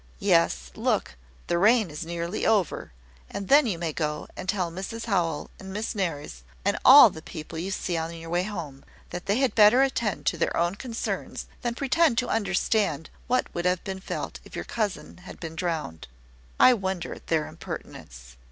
Yes, look, the rain is nearly over; and then you may go and tell Mrs Howell and Miss Nares, and all the people you see on your way home, that they had better attend to their own concerns than pretend to understand what would have been felt if your cousin had been drowned. I wonder at their impertinence."